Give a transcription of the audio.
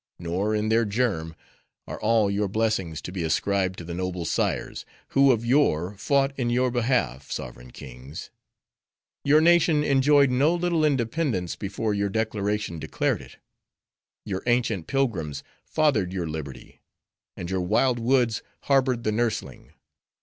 Nor, in their germ, are all your blessings to be ascribed to the noble sires, who of yore fought in your behalf, sovereign kings! Your nation enjoyed no little independence before your Declaration declared it. Your ancient pilgrims fathered your liberty; and your wild woods harbored the nursling.